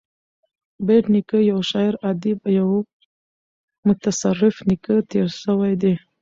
بېټ نیکه یو شاعر ادیب او یو متصرف نېکه تېر سوى دﺉ.